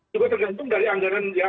juga tergantung dari anggaran yang